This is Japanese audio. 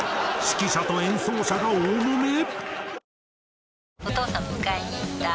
指揮者と演奏者が大もめ！？